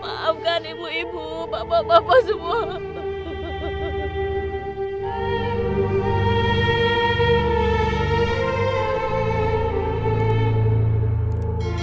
maafkan ibu ibu bapak bapak semua